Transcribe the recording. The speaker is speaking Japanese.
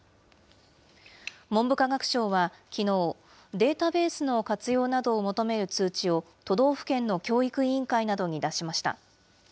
文部科学省はきのう、データベースの活用などを求める通知を、都道府県の教育委員会などに出しました。